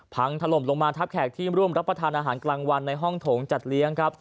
พังถล่มลงมาทับแขกที่ร่วมรับประทานอาหารกลางวันในห้องโถงจัดเลี้ยงครับ